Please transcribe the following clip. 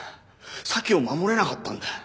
咲を守れなかったんだ。